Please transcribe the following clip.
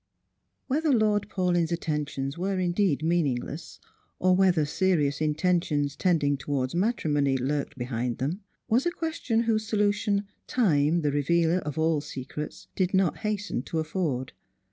Whether Lord Paulyn's attentions were indeed meaningless, or whether serious intentions tending towards mati imoiiy hirked behind them, was a question whose solution Time, the revealer of all secrets, did not hasten to afford.